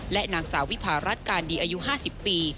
และนางสาววิพารัฐการดีอายุ๕๐ปี